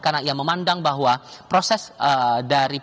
karena ia memandang bahwa proses dari pemilu sampai akhirnya memenangkan pasangan